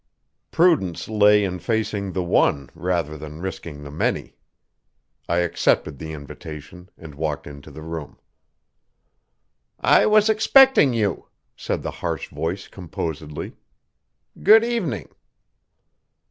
Prudence lay in facing the one rather than risking the many. I accepted the invitation and walked into the room. "I was expecting you," said the harsh voice composedly. "Good evening."